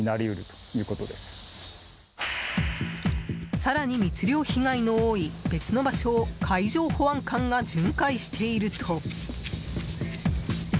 更に密漁被害の多い別の場所を海上保安官が巡回していると。